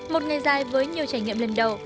một ngày dài với nhiều trải nghiệm lần đầu